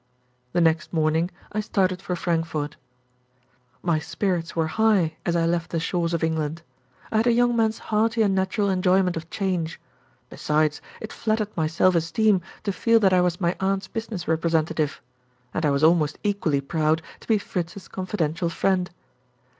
The next morning I started for Frankfort. My spirits were high as I left the shores of England. I had a young man's hearty and natural enjoyment of change. Besides, it flattered my self esteem to feel that I was my aunt's business representative; and I was almost equally proud to be Fritz's confidential friend.